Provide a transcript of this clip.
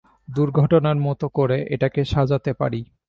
দুর্ঘটনার মতো করে এটাকে সাজাতে পারি।